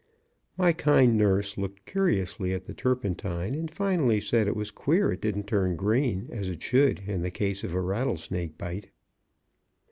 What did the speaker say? My kind nurse looked curiously at the turpentine, and finally said it was queer it didn't turn green, as it should in the case of a rattle snake bite.